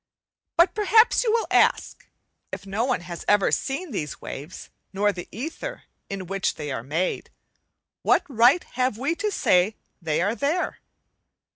But perhaps you will ask, if no one has ever seen these waves not the ether in which they are made, what right have we to say they are there?